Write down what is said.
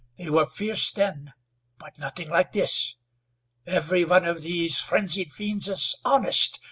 They were fierce then, but nothing like this. Every one of these frenzied fiends is honest.